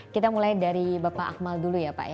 kita mulai dari bapak akmal dulu ya pak